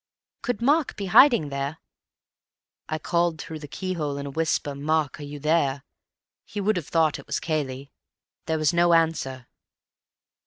"Could Mark be hiding there?" "I called through the keyhole—in a whisper—'Mark, are you there?'—he would have thought it was Cayley. There was no answer.